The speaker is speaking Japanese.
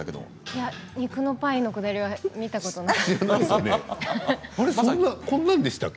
いや、肉のパイのくだりは見たことなかった。